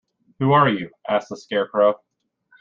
Who are you? asked the Scarecrow.